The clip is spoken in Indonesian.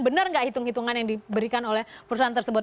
benar nggak hitung hitungan yang diberikan oleh perusahaan tersebut